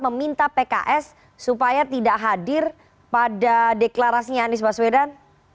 meminta pks supaya tidak hadir pada deklarasinya anies baswedan